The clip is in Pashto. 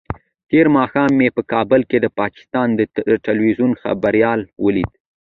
تېر ماښام مې په کابل کې د پاکستان د ټلویزیون خبریال ولید.